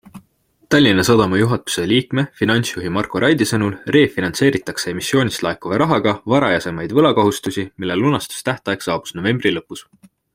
Tallinna Sadama juhatuse liikme-finantsjuhi Marko Raidi sõnul refinantseeritakse emissioonist laekuva rahaga varajasemaid võlakohustusi, mille lunastustähtaeg saabus novembri lõpus.